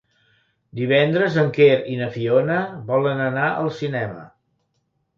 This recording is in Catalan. Divendres en Quer i na Fiona volen anar al cinema.